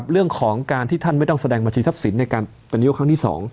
เรื่องของการที่ท่านไม่ต้องแสดงบัญชีทรัพย์สินในการเป็นยุคครั้งที่๒